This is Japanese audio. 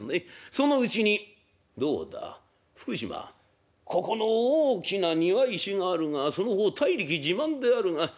そのうちに「どうだ福島。ここの大きな庭石があるがその方大力自慢であるが持つことはできまい」。